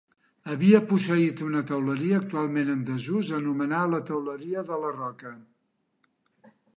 Havia posseït una teuleria, actualment en desús, anomenada la teuleria de la Roca.